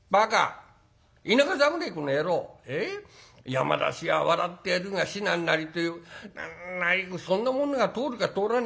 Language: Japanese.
山出しは笑ってやるが至難なりというんそんなものが通るか通らねえか